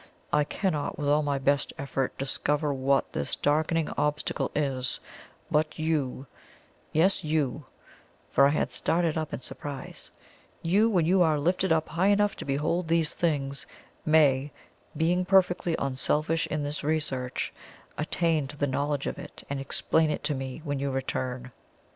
I cannot, with all my best effort, discover WHAT this darkening obstacle is but YOU, yes, YOU" for I had started up in surprise "you, when you are lifted up high enough to behold these things, may, being perfectly unselfish in this research, attain to the knowledge of it and explain it to me, when you return.